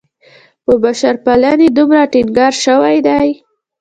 پر بشرپالنې دومره ټینګار شوی دی.